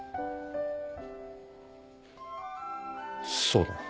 そうだな。